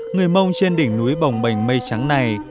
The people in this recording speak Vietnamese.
người mông trên đỉnh núi bồng bềnh mây trắng này